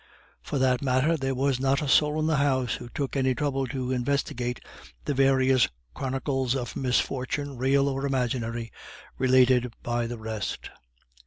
For that matter, there was not a soul in the house who took any trouble to investigate the various chronicles of misfortunes, real or imaginary, related by the rest.